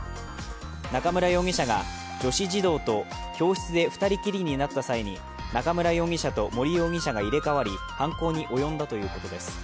中村容疑者が女子児童と教室で２人きりになった際に中村容疑者と森容疑者が入れ代わり犯行に及んだということです。